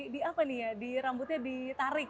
di rambutnya ditarik